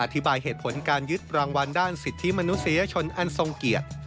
อธิบายเหตุผลการยึดรางวัลด้านสิทธิมนุษยชนอันทรงเกียรติ